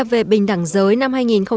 về bình đẳng giới năm hai nghìn hai mươi ba